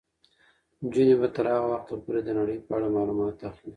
نجونې به تر هغه وخته پورې د نړۍ په اړه معلومات اخلي.